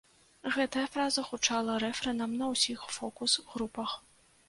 Гэтая фраза гучала рэфрэнам на ўсіх фокус-групах.